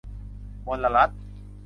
มลรัฐ